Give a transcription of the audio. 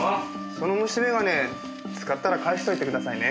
その虫メガネ使ったら返しといてくださいね。